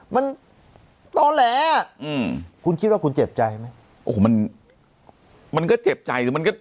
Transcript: มันตอแหลคุณคิดว่าคุณเจ็บใจไหมมันก็เจ็บใจมันก็